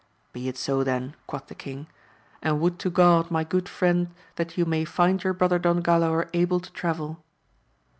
Be it so then, quoth the king ; and would to God my good friend that you may find your brother Don Galaor able to travel.